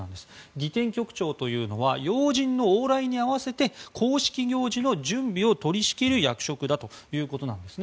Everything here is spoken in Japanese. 儀典局長というのは要人の往来に合わせて公式行事の準備を取り仕切る役職だということなんですね。